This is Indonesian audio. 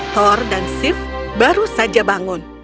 thor dan sif baru saja bangun